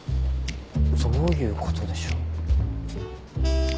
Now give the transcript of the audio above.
どういうことでしょう？